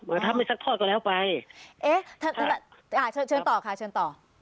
มาทำให้สักทอดก็แล้วไปเอ๊ะถ้าถ้าอ่าเชิญต่อค่ะเชิญต่อ